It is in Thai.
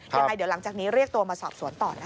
ยังไงเดี๋ยวหลังจากนี้เรียกตัวมาสอบสวนต่อนะคะ